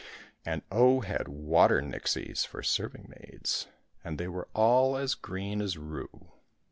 And Oh had water nixies for serving maids, and they were all as green as rue.